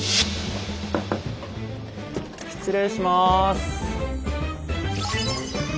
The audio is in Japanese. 失礼します。